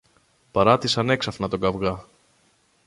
παράτησαν έξαφνα τον καβγά